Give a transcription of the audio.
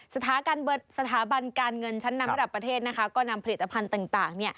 สถาบันการเงินชั้นนำระดับประเทศนะคะก็นำผลิตภัณฑ์ต่าง